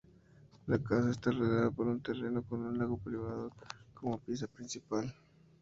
La casa está rodeada por un terreno con un lago privado como pieza principal.